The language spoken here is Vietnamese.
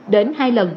đến hai lần